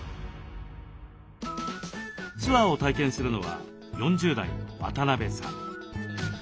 ツアーを体験するのは４０代の渡辺さん。